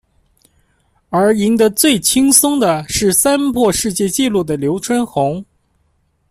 而赢得最轻松的是三破世界纪录的刘春红。